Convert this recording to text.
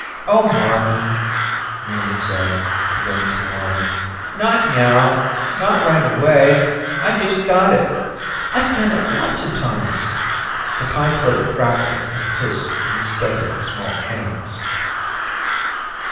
"Oh Mommy," Nina said, beginning to whine. "Not now. Not right away. I just got it. I've done it lots of times." The pie plate crackled and hissed in the steady, small hands.